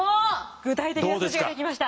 具体的な数字が出てきました。